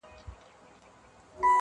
اوس لکه چي ستا د جنازې تر ورځي پاته یم -